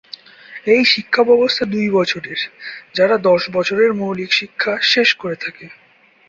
এই শিক্ষা ব্যবস্থা দুই বছরের যারা দশ বছরের মৌলিক শিক্ষা শেষ করে থাকে।